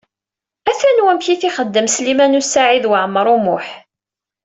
Atan wamek i t-ixeddem Sliman U Saɛid Waɛmaṛ U Muḥ.